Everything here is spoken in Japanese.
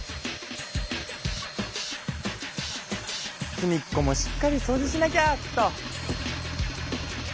すみっこもしっかりそうじしなきゃっと。